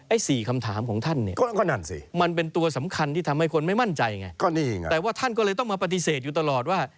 ๔คำถามของท่านเนี่ยก็นั่นสิมันเป็นตัวสำคัญที่ทำให้คนไม่มั่นใจไงแต่ว่าท่านก็เลยต้องมาปฏิเสธอยู่ตลอดว่า